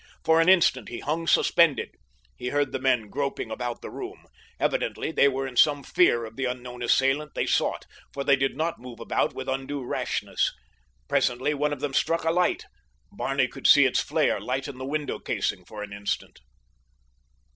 For an instant he hung suspended. He heard the men groping about the room. Evidently they were in some fear of the unknown assailant they sought, for they did not move about with undue rashness. Presently one of them struck a light—Barney could see its flare lighten the window casing for an instant.